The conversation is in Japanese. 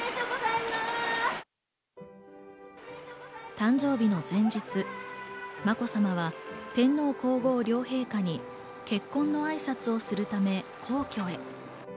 誕生日の前日、まこさまは天皇皇后両陛下に結婚の挨拶をするため皇居へ。